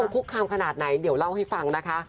คุกคามขนาดไหนเดี๋ยวเล่าให้ฟังนะคะ